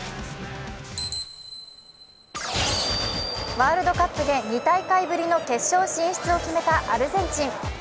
ワールドカップで２大会ぶりの決勝進出を決めたアルゼンチン。